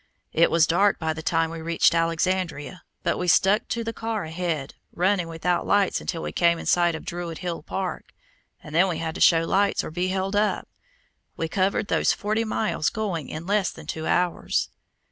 "It was dark by the time we reached Alexandria, but we stuck to the car ahead, running without lights until we came in sight of Druid Hill Park, and then we had to show lights or be held up. We covered those forty miles going in less than two hours.